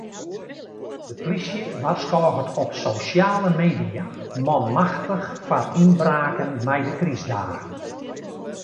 De plysje warskôget op sosjale media manmachtich foar ynbraken mei de krystdagen.